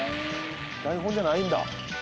台本じゃないんだ。